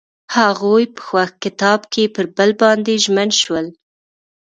هغوی په خوښ کتاب کې پر بل باندې ژمن شول.